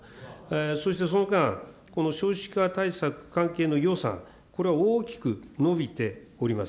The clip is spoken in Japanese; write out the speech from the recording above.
そしてその間、少子化対策関係の予算、これは大きく伸びております。